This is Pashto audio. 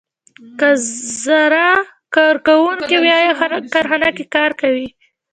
څو زره کارکوونکي په یوه کارخانه کې کار کوي